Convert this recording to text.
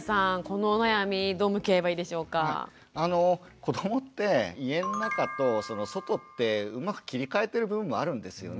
子どもって家の中と外ってうまく切り替えてる部分もあるんですよね。